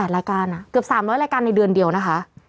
รายการเกือบ๓๐๐รายการในเดือนเดียวนะคะ